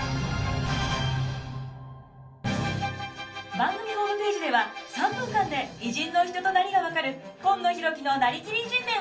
番組ホームページでは３分間で偉人の人となりが分かる「今野浩喜のなりきり偉人伝」を公開中！